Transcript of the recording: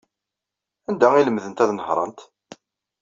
Anda ay lemdent ad nehṛent?